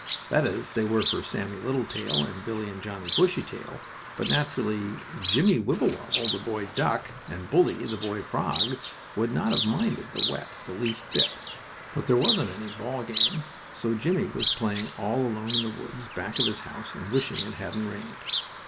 That is, they were for Sammie Littletail and Billie and Johnnie Bushytail, but naturally Jimmie Wibblewobble, the boy duck, and Bully, the boy frog, would not have minded the wet the least bit. But there wasn't any ball game, and so Jimmie was playing all alone in the woods back of his house, and wishing it hadn't rained.